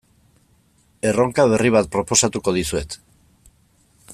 Erronka berri bat proposatuko dizuet.